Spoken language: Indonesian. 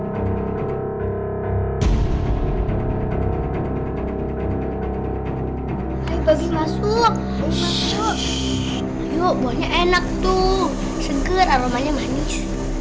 shhh ayo buahnya enak tuh seger aromanya manis